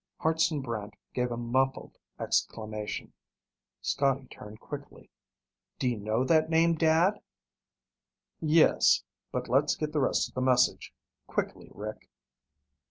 Hartson Brant gave a muffled exclamation. Scotty turned quickly. "Do you know that name, Dad?" "Yes. But let's get the rest of the message. Quickly, Rick."